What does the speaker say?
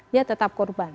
dia tetap korban